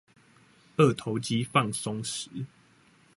二頭肌放鬆時